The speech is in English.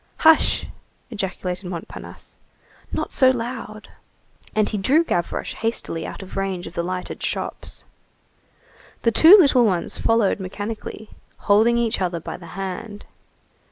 "Hush!" ejaculated Montparnasse, "not so loud." And he drew Gavroche hastily out of range of the lighted shops. The two little ones followed mechanically, holding each other by the hand.